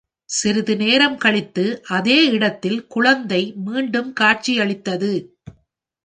சிறிது நேரம் கழித்து அதே இடத்தில் குழந்தை மீண்டும் காட்சியளித்தது.